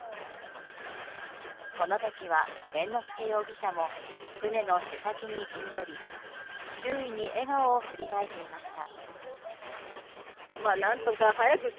この時は猿之助容疑者も船のへさきに陣取り周囲に笑顔を振りまいていました。